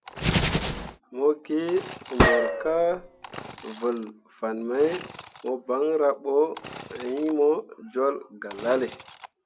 Mo gi mor kah vǝl fan mai mo banra bo iŋ mo jol galale.